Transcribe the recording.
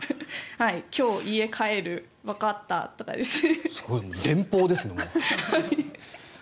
今日、家帰るわかったとかですね。